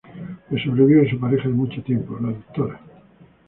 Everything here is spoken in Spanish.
Le sobrevive su pareja de mucho tiempo, la Dra.